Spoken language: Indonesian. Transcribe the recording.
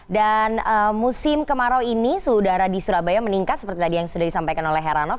dan musim kemarau ini suhu udara di surabaya meningkat seperti tadi yang sudah disampaikan oleh heranov